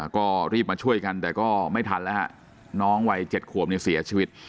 ก็รีบมาช่วยกันแต่ก็ไม่ทันแล้วฮะน้องวัย๗ขวบเนี่ยเสียชีวิต